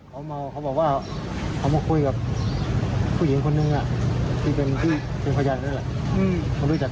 เขามาว่าเขามาคุยกับผู้หญิงคนนึงน่ะที่เป็นพี่เชียงพยาบาลนั้นแหละ